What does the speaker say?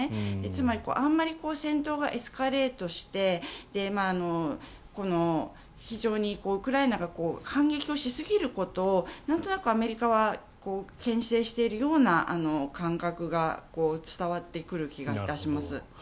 つまりあまり戦闘がエスカレートして非常にウクライナが反撃をしすぎることをなんとなくアメリカはけん制しているような感覚が伝わってくる気がいたします。